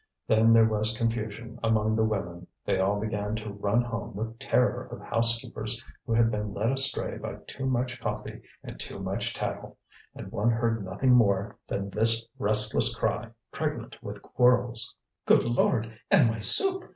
Then there was confusion among the women: they all began to run home with the terror of housekeepers who had been led astray by too much coffee and too much tattle, and one heard nothing more than this restless cry, pregnant with quarrels: "Good Lord, and my soup!